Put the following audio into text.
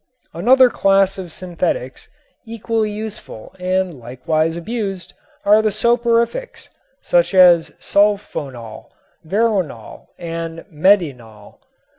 Another class of synthetics equally useful and likewise abused, are the soporifics, such as "sulphonal," "veronal" and "medinal."